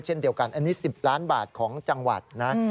เช่นเดียวกัน๑๐๐๐๐๐๐๐บาทของจังหวัดนะ